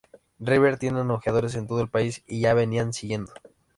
River tiene ojeadores en todo el país y ya me venían siguiendo.